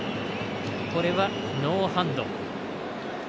これはノーハンド。